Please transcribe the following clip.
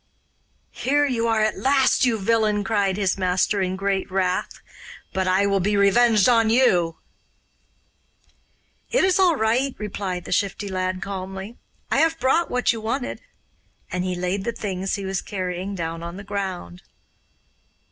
'Here you are at last, you villain!' cried his master in great wrath. 'But I will be revenged on you.' 'It is all right,' replied the Shifty Lad calmly. 'I have brought what you wanted'; and he laid the things he was carrying down on the ground.